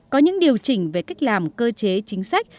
có những điều chỉnh về cách làm cơ chế chính sách